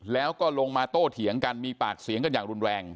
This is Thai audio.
แล้วก็ลงมาโต้เถียงกันมีปากเสียงกันอย่างรุนแรง